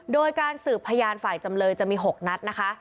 โดยการสืบพยานฝ่ายจำเลยจะมี๖นัดนะคะ